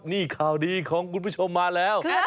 อันนี้คาวดีของคุณผู้ชมมาแล้ว